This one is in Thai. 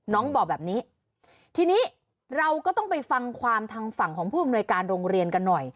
บอกแบบนี้ทีนี้เราก็ต้องไปฟังความทางฝั่งของผู้อำนวยการโรงเรียนกันหน่อย